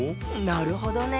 なるほどね。